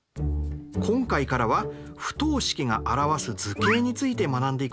今回からは不等式が表す図形について学んでいくんですよ。